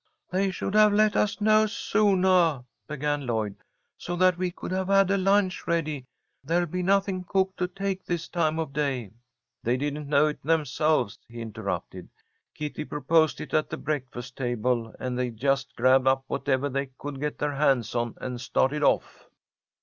"They should have let us know soonah," began Lloyd, "so that we could have had a lunch ready. There'll be nothing cooked to take this time of day." "They didn't know it themselves," he interrupted. "Kitty proposed it at the breakfast table, and they just grabbed up whatever they could get their hands on and started off."